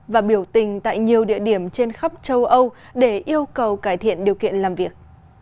và biểu tình tại nhiều địa điểm trên khắp châu âu để yêu cầu cải thiện điều kiện làm việc